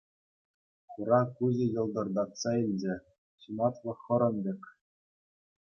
Хура куҫӗ йӑлтӑртатса илчӗ — ҫунатлӑ хӑрӑм пек.